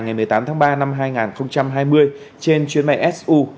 ngày một mươi tám tháng ba năm hai nghìn hai mươi trên chuyến bay su hai trăm chín mươi